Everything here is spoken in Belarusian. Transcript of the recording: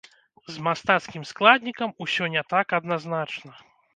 З мастацкім складнікам усё не так адназначна.